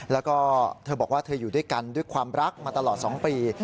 แล้วก็เธอบอกว่าเธออยู่ด้วยกันด้วยความรักมาตลอด๒ปี